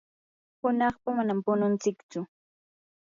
hunaqpa manami pununtsichu.